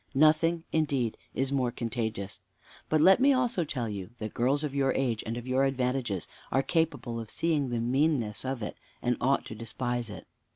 Nothing, indeed, is more contagious. But let me also tell you, that girls of your age, and of your advantages, are capable of seeing the meanness of it, and ought to despise it.